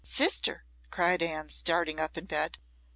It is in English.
"Sister!" cried Anne, starting up in bed.